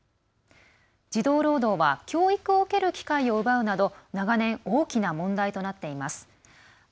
児童労働は教育を受ける機会を奪うなど長年、大きな問題になっています。